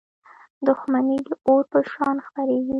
• دښمني د اور په شان خپرېږي.